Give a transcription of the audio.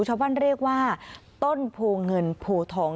ชาวบ้านเรียกว่าต้นโพเงินโพทอง